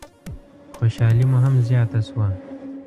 خوشحالي مو هم زیاته شوه.